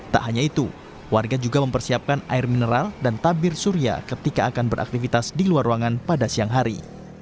tak hanya itu warga juga mempersiapkan air mineral dan tabir surya ketika akan beraktivitas di luar ruangan pada siang hari